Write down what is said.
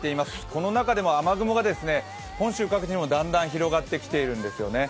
その中でも雨雲が本州各地にもだんだん広がってきているんですよね。